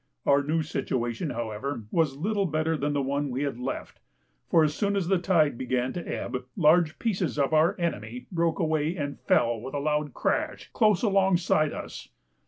Our new situation, however, was little better than the one we had left, for as soon as the tide began to ebb large pieces of our "enemy" broke away and fell with a loud crash close alongside of us.